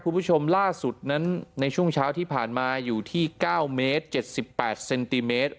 คุณผู้ชมล่าสุดนั้นในช่วงเช้าที่ผ่านมาอยู่ที่๙เมตร๗๘เซนติเมตร